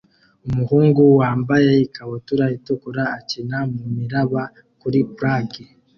Umuhungu wambaye ikabutura itukura akina mumiraba kuri plage